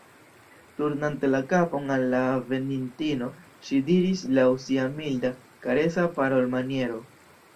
Turnante la kapon al la venintino, ŝi diris laŭ sia milda, karesa parolmaniero: